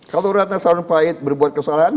kalau ratna sarun pahit berbuat kesalahan